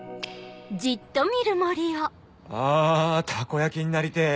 あたこ焼きになりてぇ